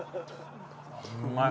うまい。